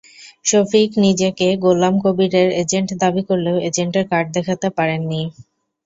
শফিক নিজেকে গোলাম কবিরের এজেন্ট দাবি করলেও এজেন্টের কার্ড দেখাতে পারেননি।